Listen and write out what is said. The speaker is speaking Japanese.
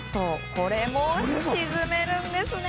これも、沈めるんですね。